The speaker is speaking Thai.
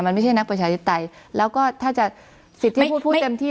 มันไม่ใช่นักประชาธิปไตยแล้วก็ถ้าจะสิทธิ์ที่พูดพูดเต็มที่